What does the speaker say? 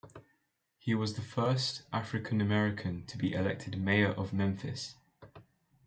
He was the first African American to be elected mayor of Memphis.